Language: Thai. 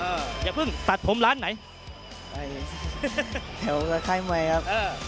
อย่าเพิ่งตัดผมร้านไหนแถวค่ายมวยครับเออ